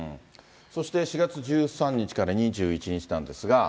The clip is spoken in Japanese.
そして４月１３日から２１日なんですが。